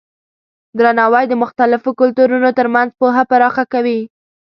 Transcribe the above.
درناوی د مختلفو کلتورونو ترمنځ پوهه پراخه کوي.